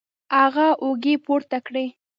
هغه اوږې پورته کړې